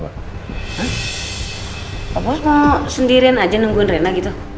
pak bos mau sendirian aja nungguin rena gitu